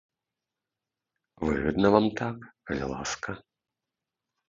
Выгадна вам так, калі ласка.